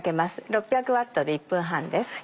６００Ｗで１分半です。